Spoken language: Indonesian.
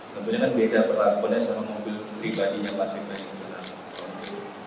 tentunya kan beda berlakunya sama mobil pribadinya pak sekda yang hilang